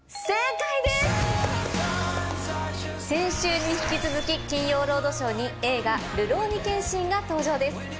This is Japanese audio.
先週に引き続き『金曜ロードショー』に映画『るろうに剣心』が登場です。